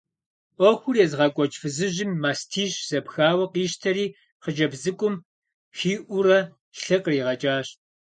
Ӏуэхур езыгъэкӏуэкӏ фызыжьым мастищ зэпхауэ къищтэри хъыджэбз цӏыкӏум хиӏуурэ лъы къригъэкӏащ.